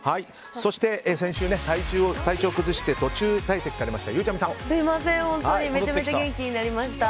そして先週、体調を崩して途中退席されました